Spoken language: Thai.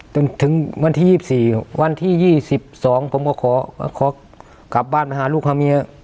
จนถึงวันที่ยี่สิบสี่วันที่ยี่สิบสองผมก็ขอขอกลับบ้านมาหาลูกค้าเมีย